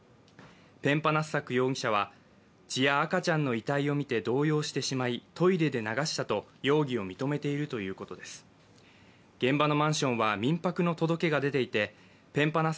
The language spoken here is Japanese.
ペンパナッサック容疑者は、血や赤ちゃんの遺体を見て動揺してしまいトイレで流したと容疑を認めているということです。